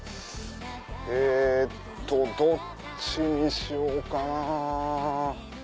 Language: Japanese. えっとどっちにしようかな。